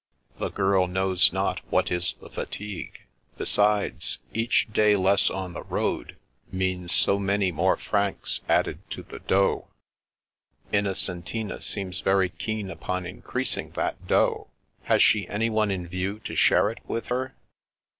'*'' The girl knows not what is the fatigue, sides, each day less on the road means so many more francs added to the doX!^ "Innocentina seems very keen upon increasing that dot. Has she anyone in view to share it with her?"